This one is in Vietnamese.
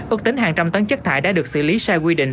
ước tính hàng trăm tấn chất thải đã được xử lý sai quy định